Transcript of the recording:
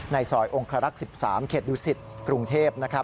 ในสอยองค์ฮรักษ์๑๓เขตดุสิทธิ์กรุงเทพฯ